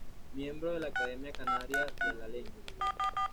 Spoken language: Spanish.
Miembro de la Academia Canaria de la Lengua.